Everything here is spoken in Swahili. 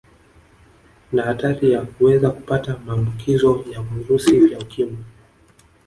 Na hatari ya kuweza kupata maambukizo ya virusi vya Ukimwi